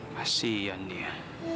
masih iyan dia